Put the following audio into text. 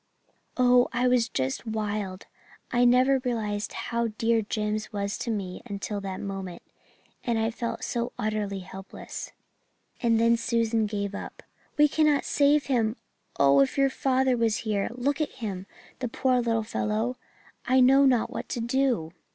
"Oh, I was just wild! I never realized how dear Jims was to me until that moment. And I felt so utterly helpless." "And then Susan gave up. 'We cannot save him! Oh, if your father was here look at him, the poor little fellow! I know not what to do.'